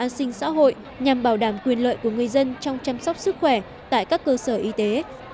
đây là một trong những việc quan trọng nhất để bảo đảm an sinh xã hội nhằm bảo đảm quyền lợi của người dân trong chăm sóc sức khỏe tại các cơ sở y tế